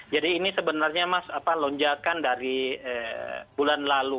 jadi ini sebenarnya mas lonjakan dari bulan lalu